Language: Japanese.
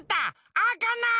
あかない！